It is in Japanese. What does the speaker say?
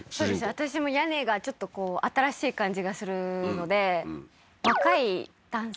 私も屋根がちょっとこう新しい感じがするので若い男性？